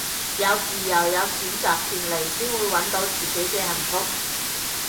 有自由有選擇權利先會搵到自己嘅幸福